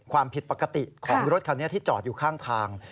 ความผิดปกติของรถคันนี้ที่จอดอยู่ข้างทาง